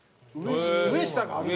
上下があるの？